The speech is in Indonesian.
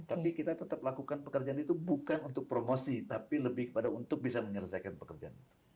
tapi kita tetap lakukan pekerjaan itu bukan untuk promosi tapi lebih kepada untuk bisa menyelesaikan pekerjaan itu